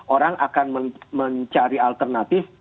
orang akan mencari alternatif